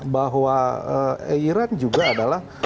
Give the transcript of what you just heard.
bahwa iran juga adalah